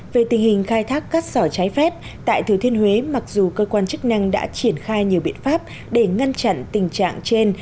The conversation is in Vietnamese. về tình hình khai thác cát sỏi trái phép tại thừa thiên huế mặc dù cơ quan chức năng đã triển khai nhiều biện pháp để ngăn chặn tình trạng trên